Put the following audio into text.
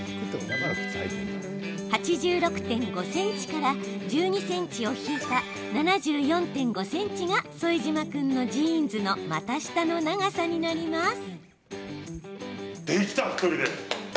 ８６．５ｃｍから１２ｃｍを引いた７４．５ｃｍが副島君のジーンズの股下の長さになります。